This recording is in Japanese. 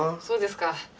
そうですか。